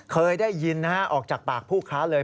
เคยได้ยินออกจากปากผู้ค้าเลย